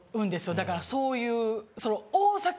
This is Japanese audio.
だからそういう。